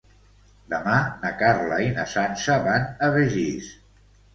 Demà na Carla i na Sança van a Begís.